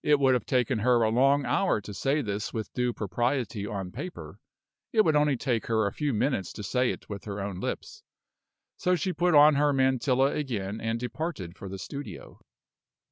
It would have taken her a long hour to say this with due propriety on paper; it would only take her a few minutes to say it with her own lips. So she put on her mantilla again and departed for the studio.